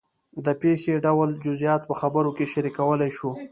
د پېښې ټول جزیات په خبرو کې شریکولی شو.